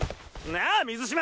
なあ水嶋！